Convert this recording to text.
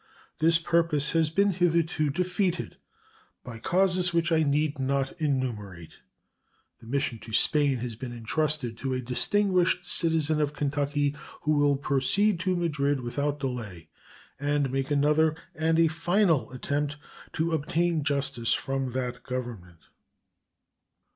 This purpose has been hitherto defeated by causes which I need not enumerate. The mission to Spain has been intrusted to a distinguished citizen of Kentucky, who will proceed to Madrid without delay and make another and a final attempt to obtain justice from that Government.